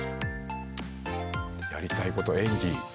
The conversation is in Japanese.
やりたいこと演技。